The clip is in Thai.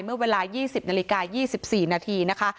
เมื่อเวลา๒๐นาฬิกา๒๔นาทีนะคะ